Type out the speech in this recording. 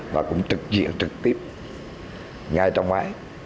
và cũng trực diện trực tiếp ngay trong máy